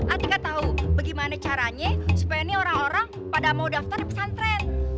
artika tau bagaimana caranya supaya nih orang orang pada mau daftar pesantren